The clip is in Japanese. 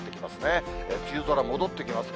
戻ってきます。